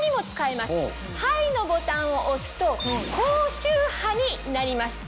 ＨＩＧＨのボタンを押すと高周波になります。